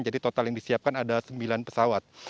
jadi total yang disiapkan ada sembilan pesawat